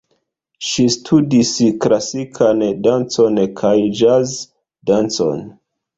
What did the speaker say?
Ŝi studis klasikan dancon kaj jazz-dancon.